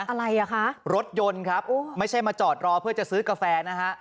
อะไรอ่ะคะรถยนต์ครับโอ้ไม่ใช่มาจอดรอเพื่อจะซื้อกาแฟนะฮะ